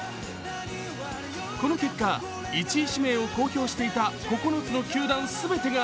この結果、１位指名を公表していた９つの球団全てが